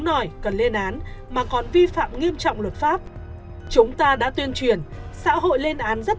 nói cần lên án mà còn vi phạm nghiêm trọng luật pháp chúng ta đã tuyên truyền xã hội lên án rất